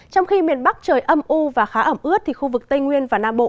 trong khi miền bắc trời âm u và khá ẩm ướt thì khu vực tây nguyên và nam bộ